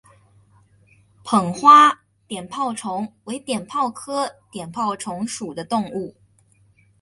棒花碘泡虫为碘泡科碘泡虫属的动物。